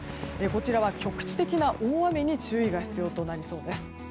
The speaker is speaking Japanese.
こちらは局地的な大雨に注意が必要となりそうです。